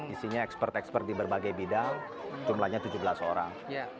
isinya ekspert expert di berbagai bidang jumlahnya tujuh belas orang